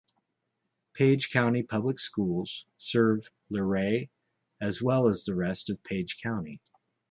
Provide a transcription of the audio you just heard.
Page County Public Schools serve Luray, as well as the rest of Page County.